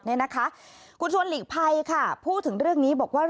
คุณชวนหลีกภัยค่ะพูดถึงเรื่องนี้บอกว่า